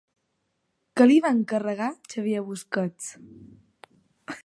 Què li va encarregar Xavier Busquets?